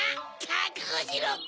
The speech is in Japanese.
かくごしろ！